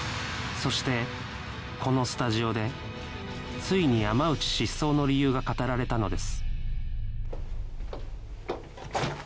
そしてこのスタジオでついに山内失踪の理由が語られたのです